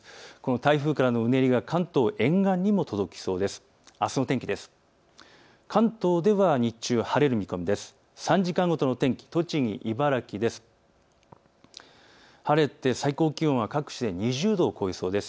台風からのうねりで関東沿岸にも届きそうです。